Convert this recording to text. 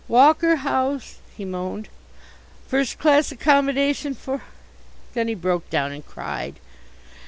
"Walker House," he moaned. "First class accommodation for " then he broke down and cried.